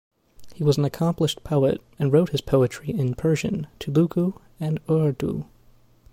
He was an accomplished poet and wrote his poetry in Persian, Telugu and Urdu.